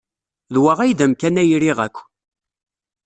D wa ay d amkan ay riɣ akk.